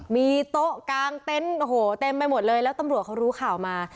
มีโต๊ะกลางเต็นต์โอ้โหเต็มไปหมดเลยแล้วตำรวจเขารู้ข่าวมา